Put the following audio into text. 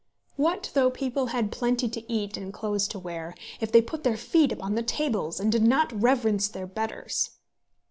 What though people had plenty to eat and clothes to wear, if they put their feet upon the tables and did not reverence their betters?